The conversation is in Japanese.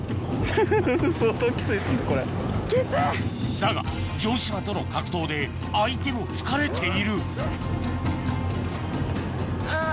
だが城島との格闘で相手も疲れているあぁ！